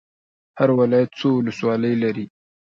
هر ولایت څو ولسوالۍ لري؟